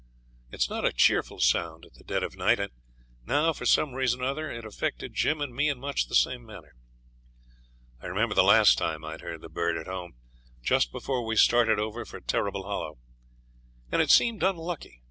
It's not a cheerful sound at the dead of night, and now, for some reason or other, it affected Jim and me in much the same manner. I remembered the last time I had heard the bird at home, just before we started over for Terrible Hollow, and it seemed unlucky.